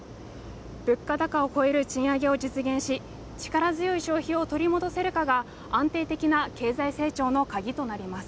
物価高を超える賃上げを実現し力強い消費を取り戻せるかが安定的な経済成長の鍵となります